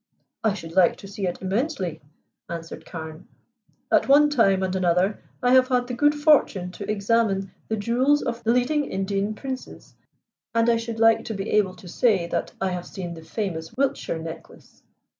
"I should like to see it immensely," answered Carne. "At one time and another I have had the good fortune to examine the jewels of the leading Indian princes, and I should like to be able to say that I have seen the famous Wiltshire necklace."